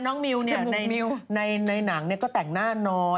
น้องมิวเนี่ยในหนังเนี่ยก็แต่งหน้าน้อย